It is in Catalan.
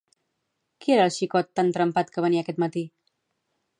Qui era el xicot tan trempat que venia aquest matí?